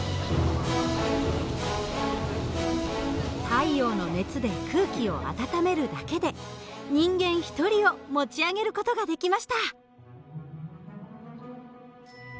太陽の熱で空気を温めるだけで人間一人を持ち上げる事ができました。